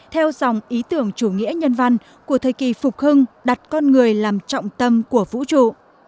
theo dòng ý tưởng chủ nghĩa nhân văn của thời kỳ phục hưng đặt con người làm trọng tâm của vũ trụ